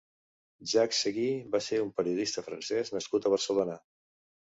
Jacques Ségui va ser un periodista francès nascut a Barcelona.